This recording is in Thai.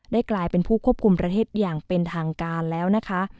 กลายเป็นผู้ควบคุมประเทศอย่างเป็นทางการแล้วนะคะ